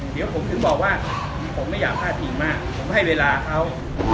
เดี๋ยวผมถึงบอกว่าผมไม่อยากพลาดพิงมากผมให้เวลาเขา